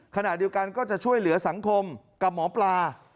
ขณะเดียวกันก็จะช่วยเหลือสังคมกับหมอปลา